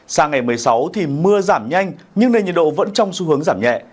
sang ngày một mươi sáu thì mưa giảm nhanh nhưng nền nhiệt độ vẫn trong xu hướng giảm nhẹ